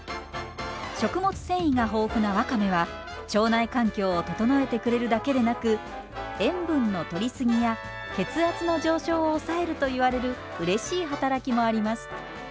食物繊維が豊富なわかめは腸内環境を整えてくれるだけでなく塩分のとり過ぎや血圧の上昇を抑えるといわれるうれしい働きもあります。